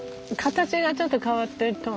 形がちょっと変わってる。